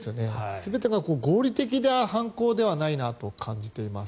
全てが合理的な犯行ではないなと感じています。